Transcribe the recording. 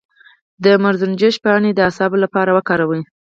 د مرزنجوش پاڼې د اعصابو لپاره وکاروئ